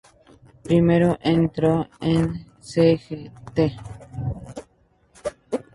Primero entrenó con Sgt.